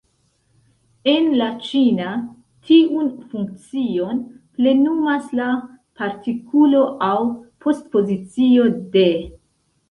En la ĉina, tiun funkcion plenumas la partikulo, aŭ postpozicio, de.